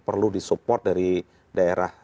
perlu disupport dari daerah